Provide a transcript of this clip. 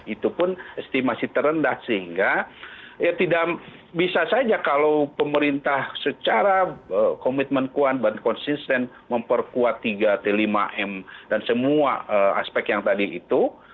itu pun estimasi terendah sehingga ya tidak bisa saja kalau pemerintah secara komitmen kuat dan konsisten memperkuat tiga t lima m dan semua aspek yang tadi itu